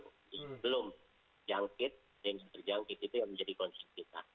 belum jangkit dan yang terjangkit itu yang menjadi konsep kita